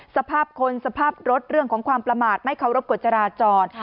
สภาพคนสภาพรถเรื่องของความประมาทไม่เคารพกฎจราจร